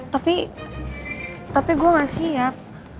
tapi tapi gue gak siap